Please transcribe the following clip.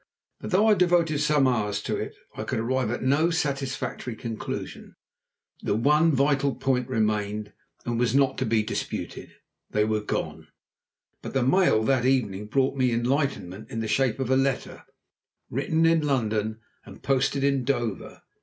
But though I devoted some hours to it, I could arrive at no satisfactory conclusion. The one vital point remained and was not to be disputed they were gone. But the mail that evening brought me enlightenment in the shape of a letter, written in London and posted in Dover.